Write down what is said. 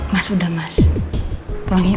mas sudah mas tolong yuk